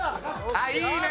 あっいいね。